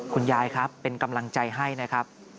คุณยายครับเป็นกำลังใจให้นะครับ